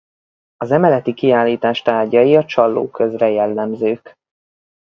Az emeleti kiállítás tárgyai a Csallóközre jellemzők.